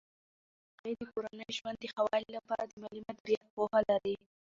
هغې د کورني ژوند د ښه والي لپاره د مالي مدیریت پوهه لري.